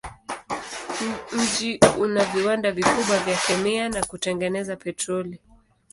Mji una viwanda vikubwa vya kemia na kutengeneza petroli.